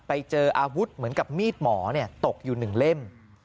ไปเจออาวุธเหมือนกับมีดหมอตกอยู่๑เล่ม